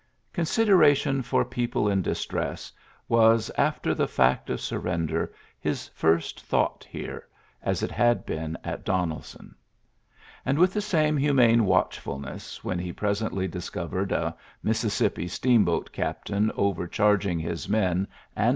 Consideration for people in distress was, after the fsMjt of surrender, his first thought here, as it had been at Donelson. And with the same humane watchfulness, when he presently discovered a Mississippi steam boat captain overcharging his men and ^lUlixiy *^oil 78 ULYSSES S.